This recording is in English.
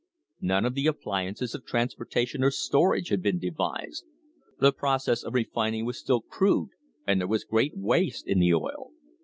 None of the appliances of transpor tation or storage had been devised. The process of refining was still crude, and there was great waste in the oil.